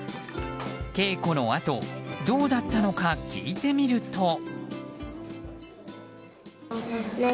稽古のあとどうだったのか聞いてみると。